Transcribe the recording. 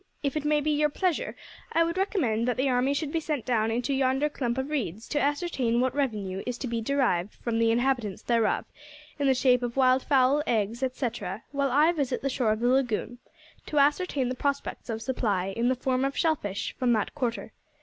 If it be your pleasure, I would recommend that the army should be sent down into yonder clump of reeds to ascertain what revenue is to be derived from the inhabitants thereof in the shape of wildfowl, eggs, etcetera, while I visit the shore of the lagoon to ascertain the prospects of supply, in the form of shellfish, from that quarter.